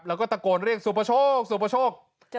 แล้วก็ตะโกนเรียกสุพชก